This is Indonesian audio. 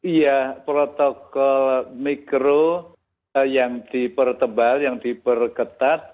iya protokol mikro yang dipertebal yang diperketat